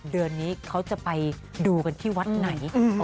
เดือนนี้เขาจะไปดูกันที่วัดไหน